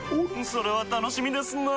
それは楽しみですなぁ。